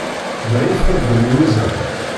Da ay txeddem Lwiza?